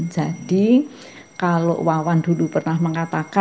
saya yang sudah datang kesana